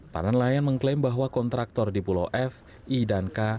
para nelayan mengklaim bahwa kontraktor di pulau f i dan k